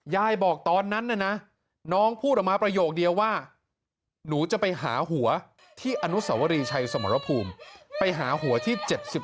ยายบอกตอนนั้นนะน้องพูดออกมาประโยคเดียวว่าหนูจะไปหาหัวที่อนุสวรีชัยสมรภูมิไปหาหัวที่๗๑